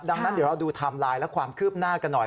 ดังนั้นเดี๋ยวเราดูไทม์ไลน์และความคืบหน้ากันหน่อย